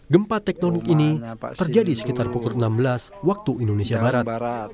gempa tektonik ini terjadi sekitar pukul enam belas waktu indonesia barat